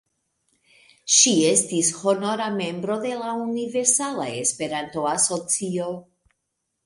Ŝi estis honora membro de la Universala Esperanto-Asocio.